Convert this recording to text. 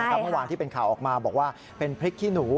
เมื่อวานที่เป็นข่าวออกมาบอกว่าเป็นพริกขี้หนู